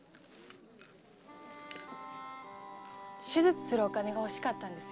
手術するお金が欲しかったんです。